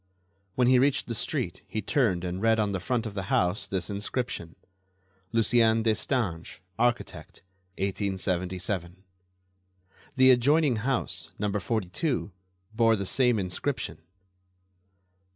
When he reached the street he turned and read on the front of the house this inscription: "Lucien Destange, architect, 1877." The adjoining house, No. 42, bore the same inscription.